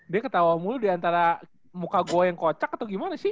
dia ketawa mulu diantara muka gue yang kocak atau gimana sih